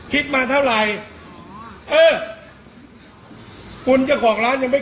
คิดมาเท่าไรมันจะของร้านยังไม่